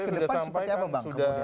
ke depan seperti apa bang